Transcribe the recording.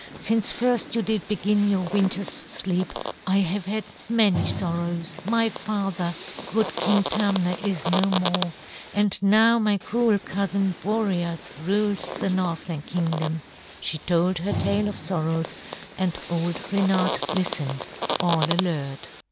"Since first you did begin your winter's sleep, I have had many sorrows. My father, good King Tamna, is no more, and now my cruel cousin Boreas rules the Northland Kingdom." She told her tale of sorrows, and old Reynard listened, all alert.